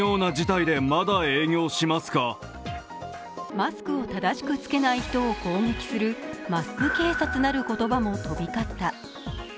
マスクを正しく着けない人を攻撃するマスク警察なる言葉も飛び交った。